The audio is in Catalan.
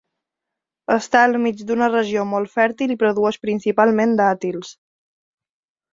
Està al mig d'una regió molt fèrtil i produeix principalment dàtils.